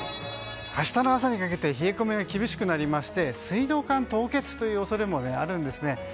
明日の朝にかけて冷え込みが厳しくなりまして水道管凍結という恐れもあるんですね。